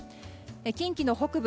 近畿の北部